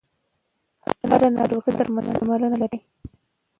هره ناروغي درملنه لري.